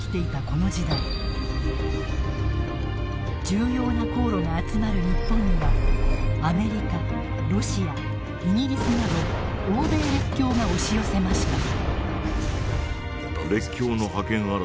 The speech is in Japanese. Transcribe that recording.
重要な航路が集まる日本にはアメリカロシアイギリスなど欧米列強が押し寄せました。